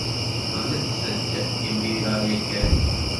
Qqlet-d imir-a ya kan.